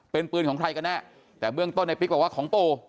เป็นปืนของใครกันแน่แต่เบื้องต้นในปิ๊กบอกว่าของปู่